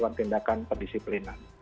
lakukan tindakan perdisiplinan